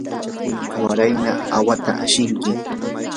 warayna awhata ashinki.